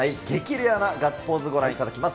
レアなガッツポーズ、ご覧いただきます。